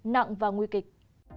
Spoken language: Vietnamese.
nặng và nguy kịch